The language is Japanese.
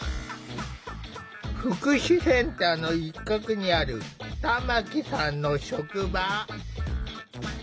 福祉センターの一角にある玉木さんの職場。